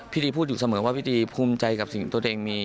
ดีพูดอยู่เสมอว่าพี่ตีภูมิใจกับสิ่งที่ตัวเองมี